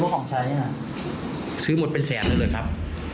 ไม่ตั้งใจไม่มีเงินนะครับ